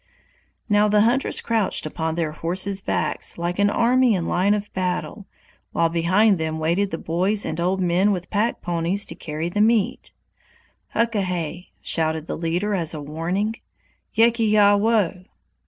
Now the hunters crouched upon their horses' necks like an army in line of battle, while behind them waited the boys and old men with pack ponies to carry the meat. "Hukahey!" shouted the leader as a warning. "Yekiya wo!"